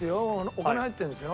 お金入ってるんですよ。